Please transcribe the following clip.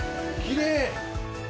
きれい！